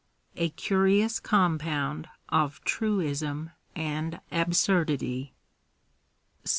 — a curious compound of truism and absurdity. §2.